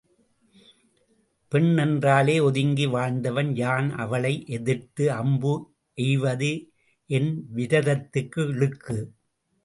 பெண் என்றாலே ஒதுங்கி வாழ்ந்தவன் யான் அவளை எதிர்த்து அம்பு எய்வது என் விரதத்துக்கு இழுக்கு.